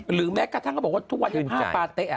หรือแม้กระทั่งก็บอกว่าทุกวันภาพปาเตะ